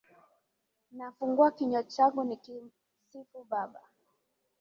Nafungua kinywa changu nikusifu baba.